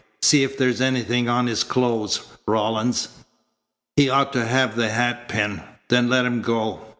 See if there's anything on his clothes, Rawlins. He ought to have the hatpin. Then let him go."